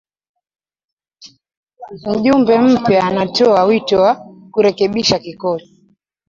Mjumbe mpya anatoa wito wa kurekebisha kikosi